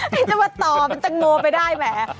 ไม่ต้องมาต่อมันต่างโมไปได้แหม